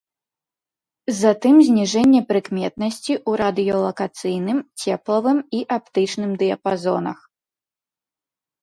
Затым зніжэнне прыкметнасці ў радыёлакацыйным, цеплавым і аптычным дыяпазонах.